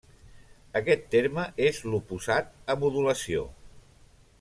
Aquest terme és l'oposat a modulació.